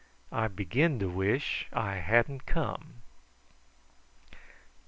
I begin to wish I hadn't come."